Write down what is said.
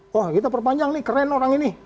wah kita perpanjang nih keren orang ini